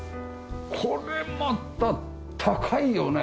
これまた高いよね。